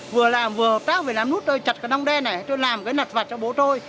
vừa làm vừa hợp tác về làm nút tôi chặt cái nông đen này tôi làm cái nặt vặt cho bố tôi